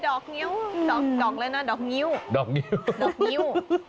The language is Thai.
ดอกงี้วดอกแล้วนะดอกงี้ว